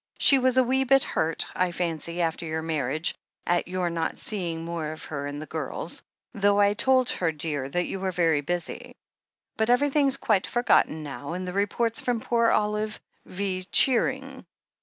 She was a wee bit hurt, I fancy, after your marriage, at your not seeing more of her and the girls, though I told her, dear, that you were very busy. But every thing's quite forgotten now, and the reports from poor Olive V. cheering.